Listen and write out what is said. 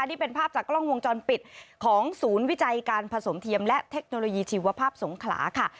นี่เป็นภาพจากกล้องวงจรปิดของศูนย์วิจัยการผสมเทียมและเทคโนโลยีชีวภาพสงขลาค่ะ